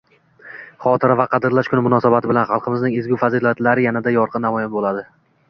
Xotira va qadrlash kuni munosabati bilan xalqimizning ezgu fazilatlari yanada yorqin namoyon bo'ladi